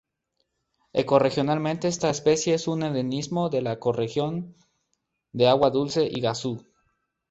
Ecorregionalmente esta especie es un endemismo de la ecorregión de agua dulce Iguazú.